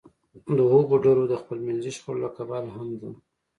د هغو ډلو د خپلمنځي شخړو له کبله هم ده